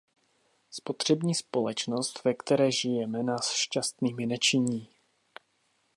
Spotřební společnost, ve které žijeme, nás šťastnými nečiní.